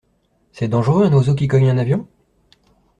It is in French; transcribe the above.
C'est dangereux un oiseau qui cogne un avion?